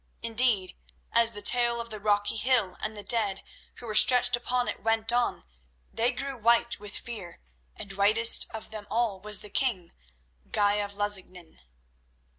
Indeed, as the tale of the rocky hill and the dead who were stretched upon it went on, they grew white with fear, and whitest of them all was the king, Guy of Lusignan.